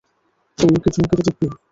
তুইও কি ধুমকেতু দেখবি?